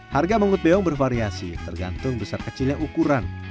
harga mangut beong bervariasi tergantung besar kecilnya ukuran